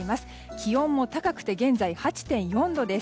気温も高くて現在８．４度です。